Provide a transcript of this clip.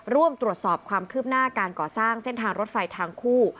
ร่วมตรวจสอบความคืบหน้าการก่อสร้างเส้นทางรถไฟทางคู่